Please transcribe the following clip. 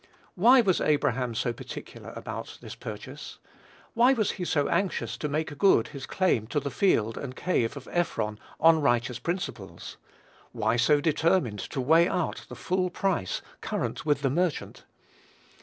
Why was Abraham so particular about this purchase? Why was he so anxious to make good his claim to the field and cave of Ephron on righteous principles? Why so determined to weigh out the full price "current with the merchant?"